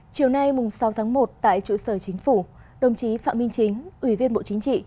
chiều nay sáu tháng một tại trụ sở chính phủ đồng chí phạm minh chính ủy viên bộ chính trị